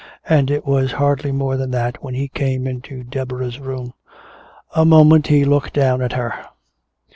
And it was hardly more than that when he came into Deborah's room. A moment he looked down at her.